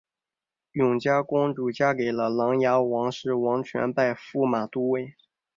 永嘉公主嫁给了琅琊王氏王铨拜驸马都尉。